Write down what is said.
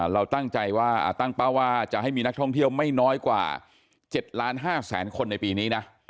เราตั้งใจว่าตั้งเป้าว่าจะให้มีนักท่องเที่ยวไม่น้อยกว่า๗๕๐๐๐คนในปีนี้นะ